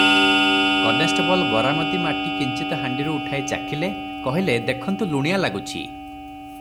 Constable ବରାମଦି ମାଟି କିଞ୍ଚିତ୍ ହାଣ୍ଡିରୁ ଉଠାଇ ଚାଖିଲେ, କହିଲେ, "ଦେଖନ୍ତୁ ଲୁଣିଆ ଲାଗୁଛି ।"